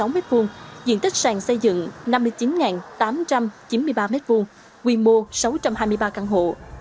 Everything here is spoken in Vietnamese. một mươi tám bốn trăm năm mươi chín sáu m hai diện tích sàn xây dựng năm mươi chín tám trăm chín mươi ba m hai quy mô sáu trăm hai mươi ba căn hộ